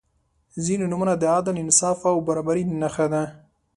• ځینې نومونه د عدل، انصاف او برابري نښه ده.